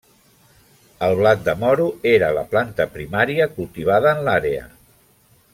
El blat de moro era la planta primària cultivada en l'àrea.